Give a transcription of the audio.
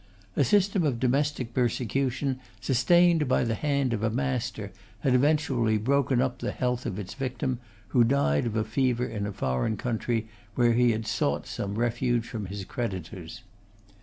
A system of domestic persecution, sustained by the hand of a master, had eventually broken up the health of its victim, who died of a fever in a foreign country, where he had sought some refuge from his creditors.